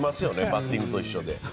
バッティングと一緒で。